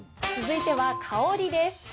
続いては香りです。